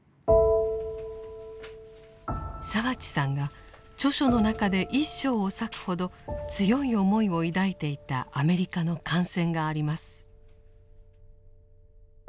澤地さんが著書の中で一章を割くほど強い思いを抱いていたアメリカの艦船があります。